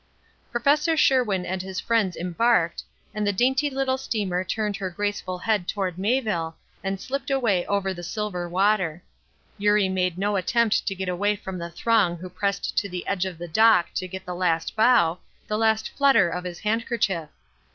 Prof. Sherwin and his friends embarked, and the dainty little steamer turned her graceful head toward Mayville, and slipped away over the silver water. Eurie made no attempt to get away from the throng who pressed to the edge of the dock to get the last bow, the last flutter of his handkerchief.